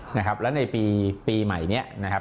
นะครับแล้วในปีใหม่นี้นะครับ